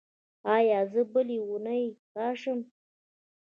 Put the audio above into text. ایا زه بلې اونۍ راشم؟